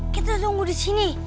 kita tunggu disini